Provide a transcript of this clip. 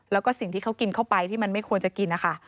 แล้วก็สิ่งที่เขากินเข้าไปที่มันไม่ควรจะกินนะคะ